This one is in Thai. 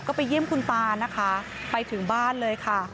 ก็ไปเยี่ยมคุณตานะคะไปถึงบ้านเลยค่ะ